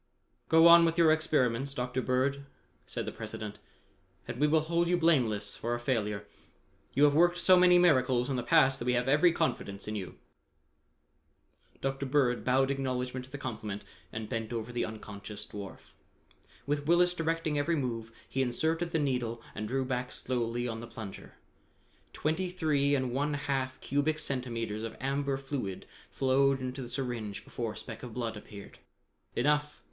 "Go on with your experiments, Dr. Bird," said the President, "and we will hold you blameless for a failure. You have worked so many miracles in the past that we have every confidence in you." Dr. Bird bowed acknowledgment to the compliment and bent over the unconscious dwarf. With Willis directing every move, he inserted the needle and drew back slowly on the plunger. Twenty three and one half cubic centimeters of amber fluid flowed into the syringe before a speck of blood appeared. "Enough!"